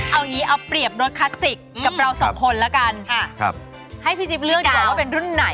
เอางี้เอาเปรียบรถคลาสสิกกับเราสองคนแล้วกันให้พี่จิ๊บเลือกดีกว่าว่าเป็นรุ่นไหน